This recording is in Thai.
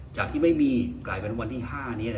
จากที่ไม่มียังเป็นวันที่๕นะ